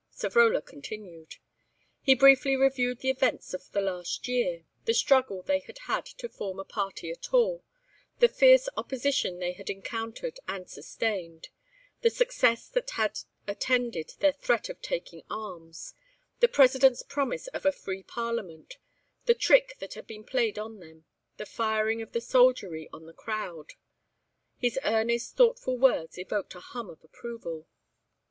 Savrola continued. He briefly reviewed the events of the last year: the struggle they had had to form a party at all; the fierce opposition they had encountered and sustained; the success that had attended their threat of taking arms; the President's promise of a free Parliament; the trick that had been played on them; the firing of the soldiery on the crowd. His earnest, thoughtful words evoked a hum of approval.